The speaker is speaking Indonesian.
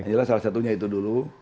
jelas salah satunya itu dulu